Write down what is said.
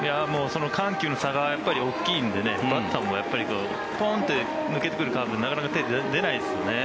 緩急の差が大きいのでバッターもポンと抜けてくるカーブになかなか手が出ないですよね。